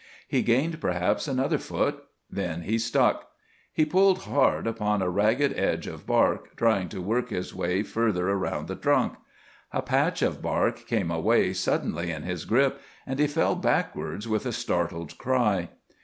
He gained perhaps another foot. Then he stuck. He pulled hard upon a ragged edge of bark, trying to work his way further around the trunk. A patch of bark came away suddenly in his grip and he fell backwards with a startled cry.